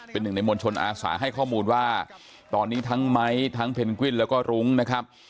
เป็นหนึ่งในมวลชนอาสาให้ข้อมูลว่าตอนนี้ทั้งไม้ทั้งเพนกวินแล้วก็รุ้งนะครับ